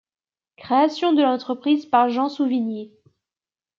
Création de l’entreprise par Jean Souvignet.